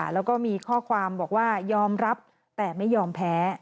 แล้วก็มีข้อความบอกว่ายอมรับแต่ไม่ยอมแพ้